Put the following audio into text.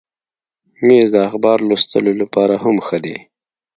مېز د اخبار لوستلو لپاره هم ښه دی.